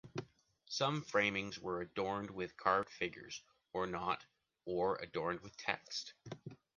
Some framings were adorned with carved figures or not, or adorned with text.